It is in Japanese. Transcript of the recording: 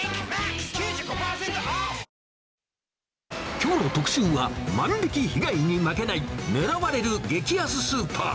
きょうの特集は、万引き被害にまけない狙われる激安スーパー。